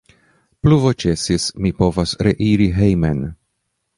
Pluvo ĉesis, mi povas reiri hejmen.